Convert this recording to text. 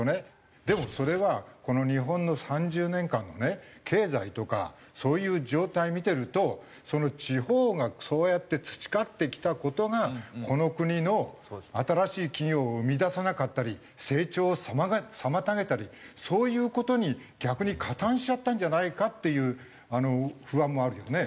でもそれはこの日本の３０年間のね経済とかそういう状態見てるとその地方がそうやって培ってきた事がこの国の新しい企業を生み出さなかったり成長を妨げたりそういう事に逆に加担しちゃったんじゃないかっていう不安もあるよね。